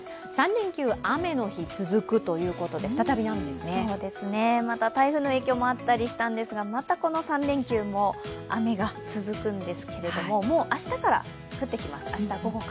３連休雨の日続くということで台風の影響もあったりしたんですがまたこの３連休も雨が続くんですけれども、もう明日午後から降ってきます。